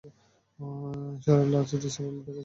সারল্য আছে, যে-সারল্যের দেখা সচরাচর পাওয়া যায় না।